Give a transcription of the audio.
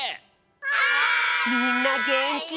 みんなげんき！